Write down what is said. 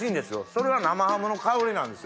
それは生ハムの香りなんですよ。